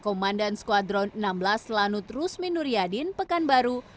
komandan skuadron enam belas lanut rusmin nuryadin pekanbaru